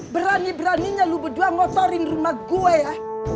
berani beraninya lu berdua ngotorin rumah gue ya